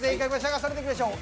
それではいきましょう。